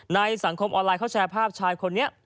สังคมออนไลน์เขาแชร์ภาพชายคนนี้